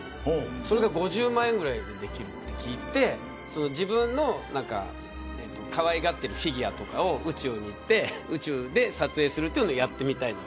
それが５０万円ぐらいでできると聞いて自分のかわいがっているフィギュアとかを宇宙に行って宇宙で撮影するというのをやってみたい。